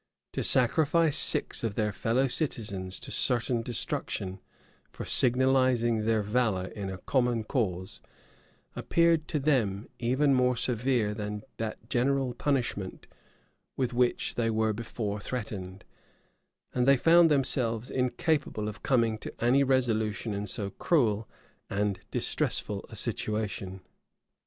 To sacrifice six of their fellow citizens to certain destruction for signalizing their valor in a common cause, appeared to them even more severe than that general punishment with which they were before threatened; and they found themselves incapable of coming to any resolution in so cruel and distressful a situation.